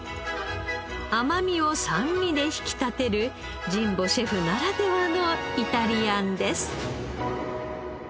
甘みを酸味で引き立てる神保シェフならではのイタリアンです。